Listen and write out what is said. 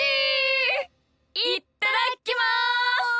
いっただきます！